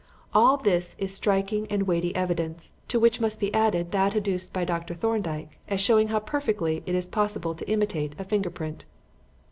All this is striking and weighty evidence, to which must be added that adduced by Dr. Thorndyke as showing how perfectly it is possible to imitate a finger print.